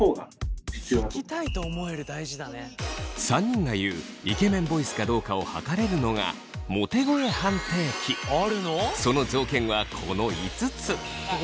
３人が言うイケメンボイスかどうかを測れるのがその条件はこの５つ。